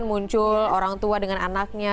muncul orang tua dengan anaknya